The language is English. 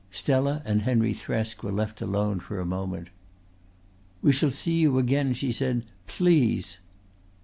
Stella and Henry Thresk were left alone for a moment. "We shall see you again," she said. "Please!"